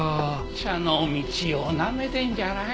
茶の道をなめてんじゃないよ！